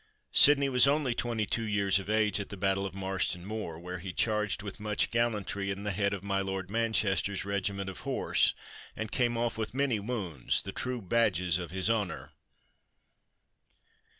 Sidney was only twenty two years of age at the battle of Mars ton Moor, where he "charged with much gallantry in the head cf my Lord Manchester's regiment of horse and came off with many wounds, the true badges of his honor."